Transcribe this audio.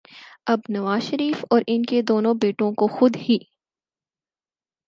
اب نواز شریف اور ان کے دونوں بیٹوں کو خود ہی